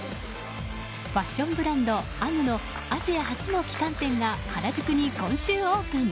ファッションブランドＵＧＧのアジア初の旗艦店が原宿に今週オープン。